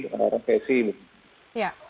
untuk mengatasi resesi